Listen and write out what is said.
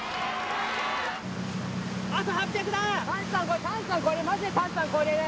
あと８００だ。